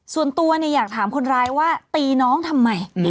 ส่วนตัวอยากถามคนร้ายว่าตีน้องทำไม